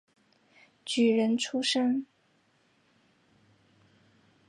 举人出身。